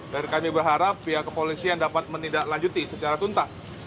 dan kami berharap pihak kepolisian dapat menindaklanjuti secara tuntas